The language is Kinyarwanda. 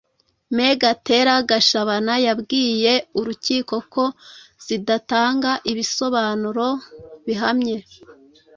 Me Gatera Gashabana yabwiye urukiko ko zidatanga ibisobanuro bihamye